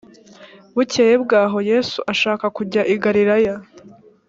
bukeye bwaho yesu ashaka kujya i galilaya